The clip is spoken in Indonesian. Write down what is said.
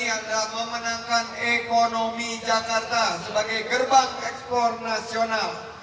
yang tak memenangkan ekonomi jakarta sebagai gerbang ekspor nasional